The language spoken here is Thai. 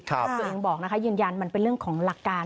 ตัวเองบอกนะคะยืนยันมันเป็นเรื่องของหลักการ